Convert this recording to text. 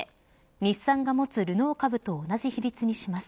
日産が持つルノー株と同じ比率にします。